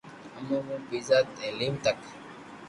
امو مون ڀيرا، تعليم تڪ